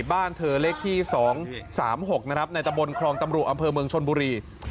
บ้านเธอเลขที่๒๓๖ของตามรุกอำเภอเมืองชนบุรี